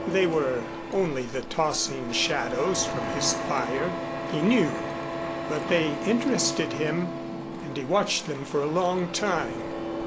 They were only the tossing shadows from his fire, he knew, but they interested him and he watched them for a long time.